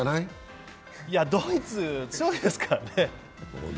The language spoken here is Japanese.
ドイツ、強いですからね。